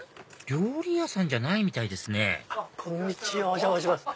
料理屋さんじゃないみたいですねこんにちはお邪魔します。